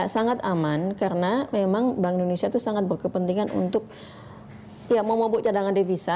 sangat aman karena memang bank indonesia itu sangat berkepentingan untuk memupuk cadangan devisa